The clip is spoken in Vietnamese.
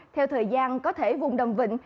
theo thời gian có thể vùng đầm vịnh